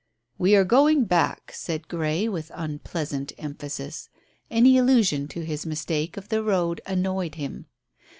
"We are going back," said Grey, with unpleasant emphasis. Any allusion to his mistake of the road annoyed him.